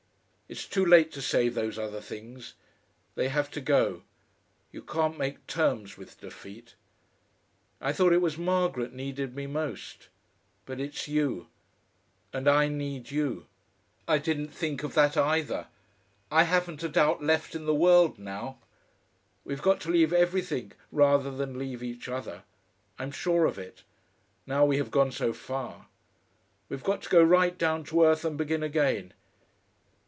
It's too late to save those other things! They have to go. You can't make terms with defeat. I thought it was Margaret needed me most. But it's you. And I need you. I didn't think of that either. I haven't a doubt left in the world now. We've got to leave everything rather than leave each other. I'm sure of it. Now we have gone so far. We've got to go right down to earth and begin again....